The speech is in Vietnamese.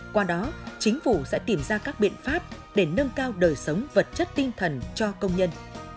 qua đó chính phủ sẽ tìm ra các biện pháp để nâng cao đời sống vật chất tinh thần cho công nhân